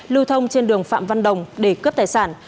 lưu thông trên đường phạm văn đồng để cướp tài sản